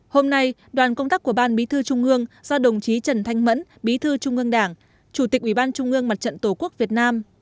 hôm nay đoàn công tác của ban bí thư trung ương do đồng chí trần thanh mẫn bí thư trung ương đảng chủ tịch ủy ban trung ương mặt trận tổ quốc việt nam